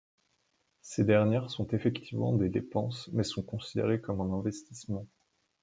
Ces dernières sont effectivement des dépenses, mais sont considérées comme un investissement.